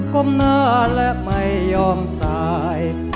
กรมนานและไม่ยอมสาย